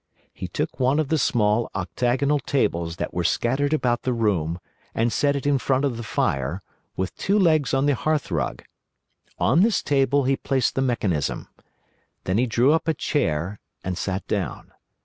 He took one of the small octagonal tables that were scattered about the room, and set it in front of the fire, with two legs on the hearthrug. On this table he placed the mechanism. Then he drew up a chair, and sat down.